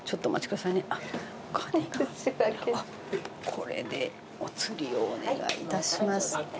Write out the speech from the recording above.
これでお釣りをお願い致します。